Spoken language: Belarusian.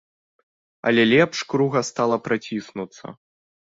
Але лепш круга стала праціснуцца.